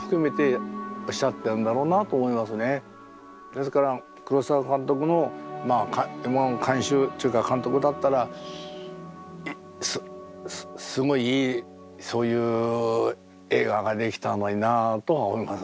ですから黒澤監督の監修というか監督だったらすごいいいそういう映画が出来たのになあとは思います。